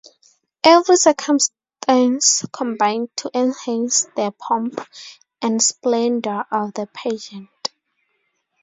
Every circumstance combined to enhance the pomp and splendor of the pageant.